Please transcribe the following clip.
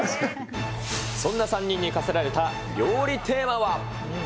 そんな３人に課せられた料理テーマは。